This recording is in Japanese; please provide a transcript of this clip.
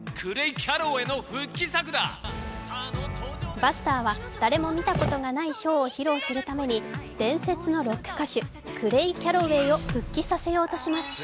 バスターは誰も見たことのないショーを披露するために伝説のロック歌手、クレイ・キャロウェイを復帰させようとします。